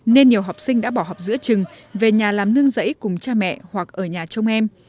nên nhiều học sinh đã bỏ học giữa trường về nhà làm nương rẫy cùng cha mẹ hoặc ở nhà trong em